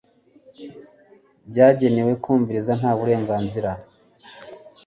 byagenewe kumviriza nta burenganzira